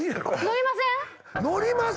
乗りません？